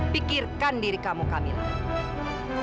pikirkan diri kamu kamilah